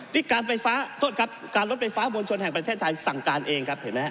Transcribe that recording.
นี่การรถไฟฟ้ามวลชนแห่งประเทศไทยสั่งการเองครับ